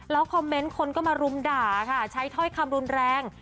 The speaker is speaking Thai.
คอมเมนต์คนก็มารุมด่าค่ะใช้ถ้อยคำรุนแรง